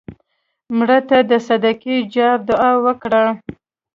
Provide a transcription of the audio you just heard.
مړه ته د صدقې جار دعا وکړه